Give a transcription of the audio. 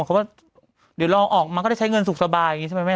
โอ้ตกรวบเราออกมาก็ได้ใช้เงินสุขสบายใช่มั้ยแม่